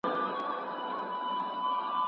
زکات د فقر دښمن دی.